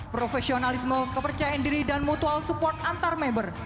profesionalisme kepercayaan diri dan mutual support antar member